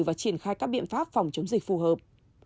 và triển khai các biện pháp phòng chống dịch phù hợp